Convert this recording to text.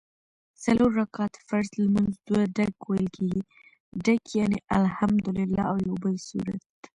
څلور رکعته فرض لمونځ دوه ډک ویل کېږي ډک یعني الحمدوالله او یوبل سورت